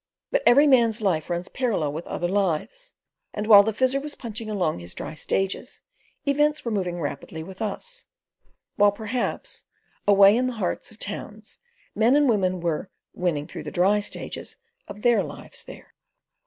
But every man's life runs parallel with other lives, and while the Fizzer was "punching along" his dry stages events were moving rapidly with us; while perhaps, aways in the hearts of towns, men and women were "winning through the dry stages" of their lives there.